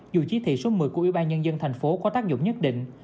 dù chí thị số một mươi của ubnd thành phố có tác dụng nhất định